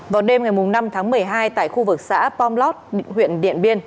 vào đêm ngày năm tháng một mươi hai tại khu vực xã pomlot huyện điện biên